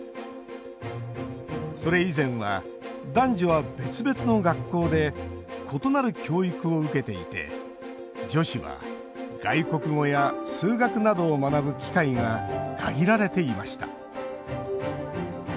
それ以前は、男女は別々の学校で異なる教育を受けていて女子は外国語や数学などを学ぶ機会が限られていました。